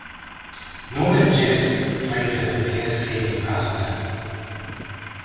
Norman Jeschke played her pair skating partner.